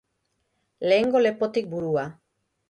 Lehengo lepotik burua